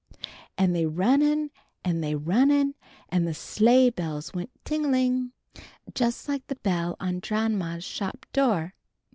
"An' they runned an' they runned an' the sleighbells went ting a ling! just like the bell on Dranma's shop door.